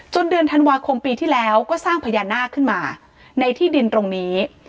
เดือนธันวาคมปีที่แล้วก็สร้างพญานาคขึ้นมาในที่ดินตรงนี้